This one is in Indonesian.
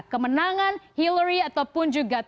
kemenangan hillary ataupun juga